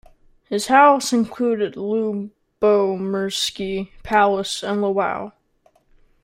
His houses included Lubomirski Palace in Lwow.